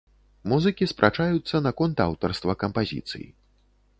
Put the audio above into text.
Музыкі спрачаюцца наконт аўтарства кампазіцый.